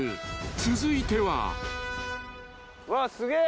［続いては］うわすげえ。